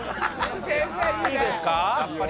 いいですか？